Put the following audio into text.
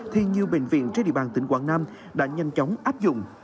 thì nhiều bệnh viện trên địa bàn tỉnh quảng nam đã nhanh chóng áp dụng